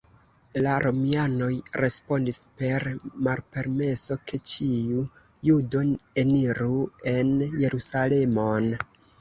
La romianoj respondis per malpermeso, ke ĉiu judo eniru en Jerusalemon.